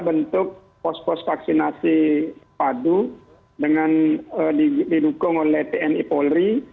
bentuk pos pos vaksinasi padu dengan didukung oleh tni polri